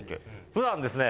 普段ですね